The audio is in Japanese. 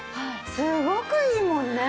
すごくいいもんね！